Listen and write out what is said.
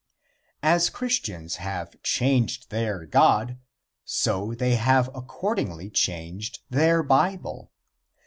As Christians have changed their God, so they have accordingly changed their Bible.